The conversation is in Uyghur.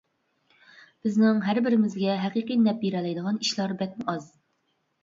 بىزنىڭ ھەر بىرىمىزگە ھەقىقىي نەپ بېرەلەيدىغان ئىشلار بەكمۇ ئاز.